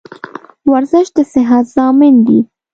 ورزش دصحت ضامن دي.